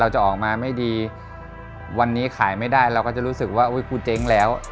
จะออกมาไม่ดีวันนี้ขายไม่ได้เราก็จะรู้สึกว่าอุ้ยกูเจ๊งแล้ว